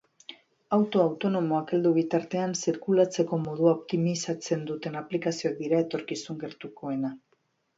Auto autonomoak heldu bitartean, zirkulatzeko modua optimizatzen duten aplikazioak dira etorkizun gertukoena.